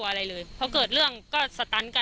ก็กลายเป็นว่าติดต่อพี่น้องคู่นี้ไม่ได้เลยค่ะ